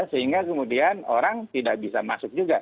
sehingga kemudian orang tidak bisa masuk juga